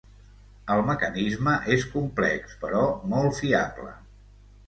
El mecanisme és complex, però molt fiable.